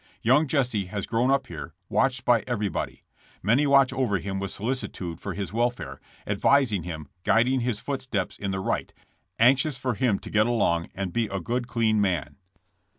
Young Jesse has grown up here, watched by everybody. Many watched over him with solici tude for his welfare, advising him, guiding his foot steps in the right, anxious for him to get along and be a good, clean man.